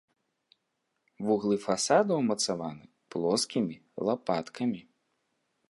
Вуглы фасада ўмацаваны плоскімі лапаткамі.